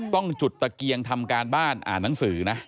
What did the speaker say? ต้องจุดตะเกียงทำการบ้านอ่านหนังสือนะ